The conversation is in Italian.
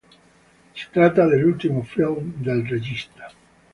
Si tratta dell'ultimo film del regista.